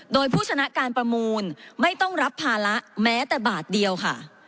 โดยผู้ชนะการประมูลไม่ต้องรับภาระแม้แต่บาทเดียวค่ะ